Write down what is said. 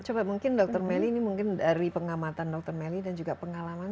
coba mungkin dr melly ini mungkin dari pengamatan dr melly dan juga pengalaman